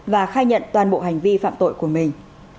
và khai nhận toàn bộ hành vi phạm tội của mình